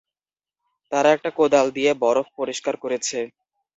তারা একটা কোদাল দিয়ে বরফ পরিষ্কার করেছে।